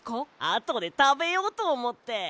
あとでたべようとおもって。